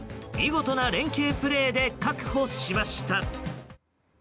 見事な連係プレーで確保しました。